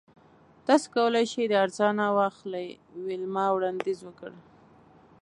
تاسو کولی شئ دا ارزانه واخلئ ویلما وړاندیز وکړ